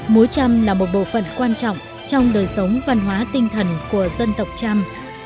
múa trăm là một bộ phận quan trọng trong đời sống văn hóa tinh thần của dân tộc trăm